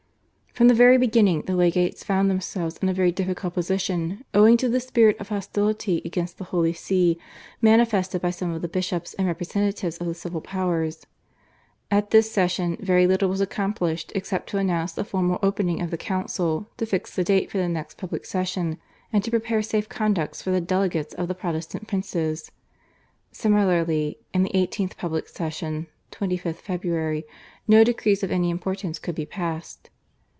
From the very beginning the legates found themselves in a very difficult position owing to the spirit of hostility against the Holy See manifested by some of the bishops and representatives of the civil powers. At this session very little was accomplished except to announce the formal opening of the council, to fix the date for the next public session, and to prepare safe conducts for the delegates of the Protestant princes. Similarly in the 18th public session (25th February) no decrees of any importance could be passed.